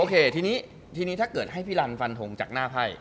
ทีนี้ทีนี้ถ้าเกิดให้พี่รันฟันทงจากหน้าไพ่